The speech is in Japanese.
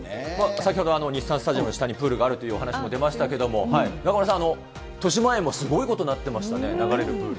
先ほど日産スタジアムの下にプールがあるというお話も出ましたけれども、中丸さん、としまえんもすごいことになってましたね、流れるプール。